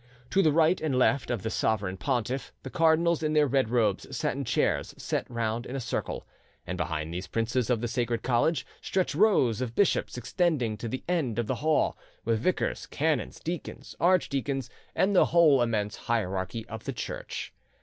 To right and left of the sovereign pontiff, the cardinals in their red robes sat in chairs set round in a circle, and behind these princes of the Sacred College stretched rows of bishops extending to the end of the hall, with vicars, canons, deacons, archdeacons, and the whole immense hierarchy of the Church.